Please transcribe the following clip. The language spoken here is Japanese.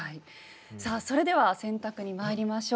さあそれでは選択にまいりましょう。